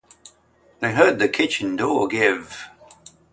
They heard the kitchen door give.